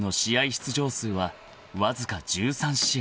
出場数はわずか１３試合］